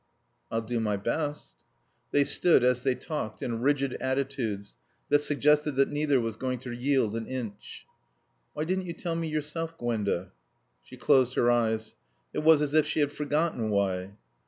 "I'll do my best." They stood, as they talked, in rigid attitudes that suggested that neither was going to yield an inch. "Why didn't you tell me yourself, Gwenda?" She closed her eyes. It was as if she had forgotten why.